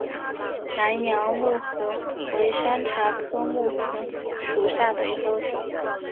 南洋木荷为山茶科木荷属下的一个种。